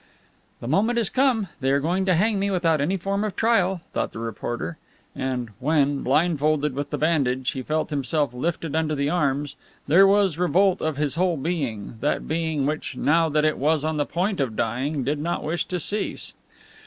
"The moment has come; they are going to hang me without any form of trial," thought the reporter, and when, blinded with the bandage, he felt himself lifted under the arms, there was revolt of his whole being, that being which, now that it was on the point of dying, did not wish to cease.